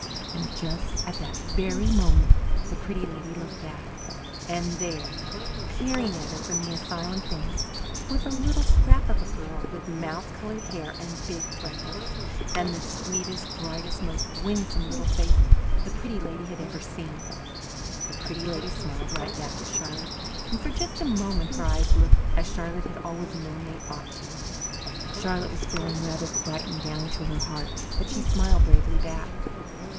And just at that very moment the Pretty Lady looked back; and there, peering at her from the asylum fence, was a little scrap of a girl, with mouse coloured hair and big freckles, and the sweetest, brightest, most winsome little face the Pretty Lady had ever seen. The Pretty Lady smiled right down at Charlotte and for just a moment her eyes looked as Charlotte had always known they ought to look. Charlotte was feeling rather frightened down in her heart but she smiled bravely back.